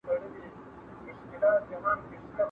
¬ له کلي و تښته، له نرخه ئې نه.